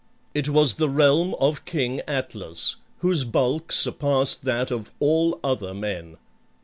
It was the realm of King Atlas, whose bulk surpassed that of all other men.